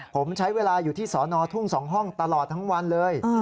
ผมใช้เวลาอยู่ที่สอนอทุ่ง๒ห้องตลอดทั้งวันเลย